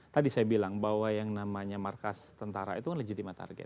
tadi saya bilang bahwa yang namanya markas tentara itu kan legitima target